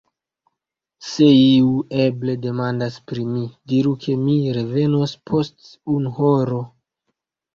Se iu eble demandas pri mi, diru ke mi revenos post unu horo.